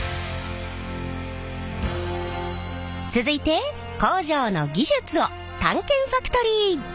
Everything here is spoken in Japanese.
続いて工場の技術を探検ファクトリー！